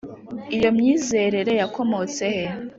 iyo myizerere yakomotse he?